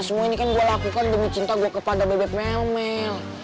semua ini kan gue lakukan demi cinta gue kepada bebek melmel